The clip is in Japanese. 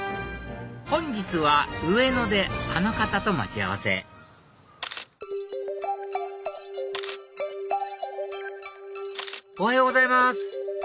本日は上野であの方と待ち合わせおはようございます